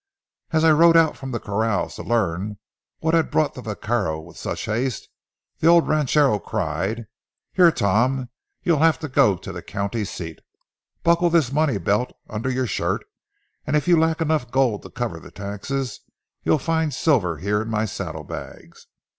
As I rode out from the corrals to learn what had brought the vaquero with such haste, the old ranchero cried, "Here, Tom, you'll have to go to the county seat. Buckle this money belt under your shirt, and if you lack enough gold to cover the taxes, you'll find silver here in my saddle bags.